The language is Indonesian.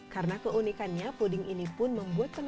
karena keunikannya puding ini pun membuat tempatnya